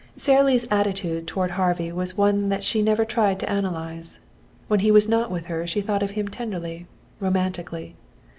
Sara Lee's attitude toward Harvey was one that she never tried to analyze. When he was not with her she thought of him tenderly, romantically.